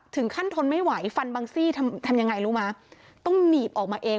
ถึงขั้นทนไม่ไหวฟันบังซี่ทำยังไงรู้มั้ยต้องหนีบออกมาเอง